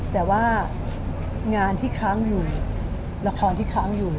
แต่ว่างานที่ค้างอยู่ละครที่ค้างอยู่